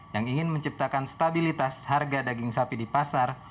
yang ingin menciptakan stabilitas harga daging sapi di pasar